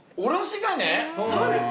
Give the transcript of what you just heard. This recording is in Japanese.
そうです。